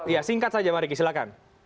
iya singkat saja mariki silahkan